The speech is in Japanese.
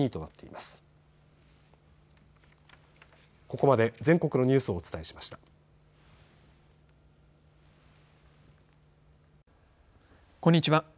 こんにちは。